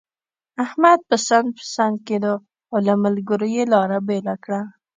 احمد پسن پسن کېدو، او له ملګرو يې لاره بېله کړه.